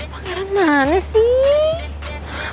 pangeran mana sih